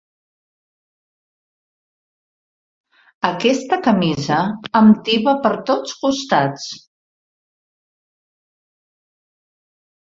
Aquesta camisa em tiba per tots costats.